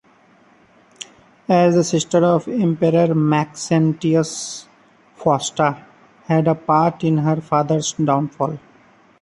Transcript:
As the sister of Emperor Maxentius, Fausta had a part in her father's downfall.